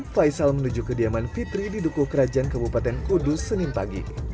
faisal menuju kediaman fitri di dukuh kerajaan kabupaten kudus senin pagi